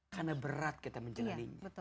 karena berat kita menjalani